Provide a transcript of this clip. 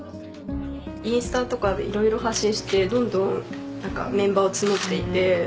インスタとかで色々発信してどんどんメンバーを募っていてすごい。